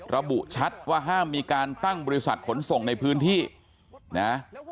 ระบุชัดว่าห้ามมีการตั้งบริษัทขนส่งในพื้นที่นะ